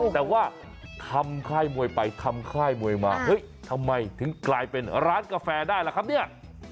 แต่ว่าทำค่ายมวยไปทำค่ายมวยมาเฮ้ยทำไมถึงกลายเป็นร้านกาแฟได้ล่ะครับเนี่ย